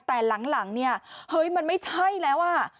แต่หลังเนี่ยเฮ้ยมันไม่ใช่แล้วอ่ะ